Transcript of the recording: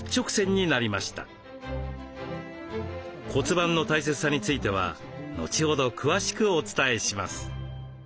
骨盤の大切さについては後ほど詳しくお伝えします。